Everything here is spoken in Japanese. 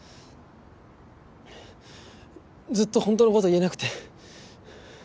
ずっと本当の事言えなくて。